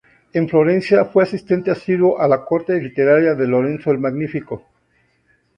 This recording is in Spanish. En Florencia fue asistente asiduo a la corte literaria de Lorenzo el Magnífico.